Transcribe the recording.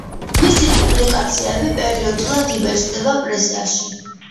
მისი პუბლიკაციები პერიოდულად იბეჭდებოდა პრესაში.